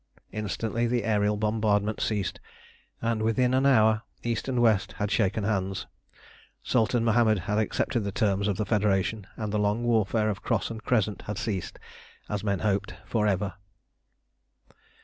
Instantly the aërial bombardment ceased, and within an hour East and West had shaken hands, Sultan Mohammed had accepted the terms of the Federation, and the long warfare of Cross and Crescent had ceased, as men hoped, for ever.